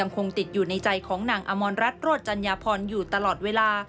คงติดอยู่ในใจของนางอมรรัฐโรธจัญญาพรอยู่ตลอดเวลา